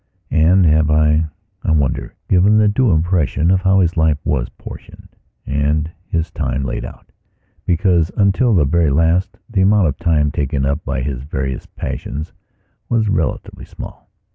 And have I, I wonder, given the due impression of how his life was portioned and his time laid out? Because, until the very last, the amount of time taken up by his various passions was relatively small.